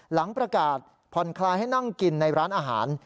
หลังประกาศผ่อนคลายให้นั่งกินในร้านอาหาร